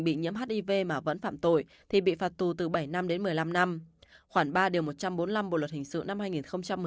khoản ba điều một trăm bốn mươi năm bộ luật hình sự năm hai nghìn một mươi năm